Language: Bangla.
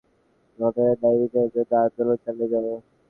আমি আমার স্বামীসহ সাত খুনের ঘটনায় ন্যায়বিচারের জন্য আন্দোলন চালিয়ে যাব।